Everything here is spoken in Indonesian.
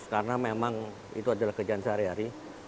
karena memang itu adalah kerjaan sehari hari